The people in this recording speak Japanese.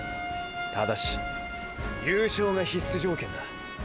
ただしーー“優勝”が必須条件だ。